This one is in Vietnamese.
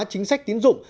chính sách tín dụng